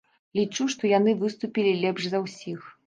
Лічу, што яны выступілі лепш за ўсіх.